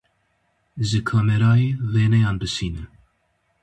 Ji kamerayê wêneyan bişîne.